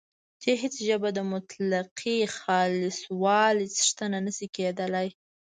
چې هیڅ ژبه د مطلقې خالصوالي څښتنه نه شي کېدلای